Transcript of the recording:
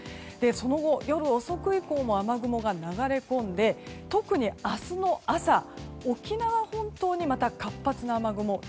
その後、夜遅く以降も雨雲が流れ込んで特に明日の朝、沖縄本島にまた、活発な雨雲が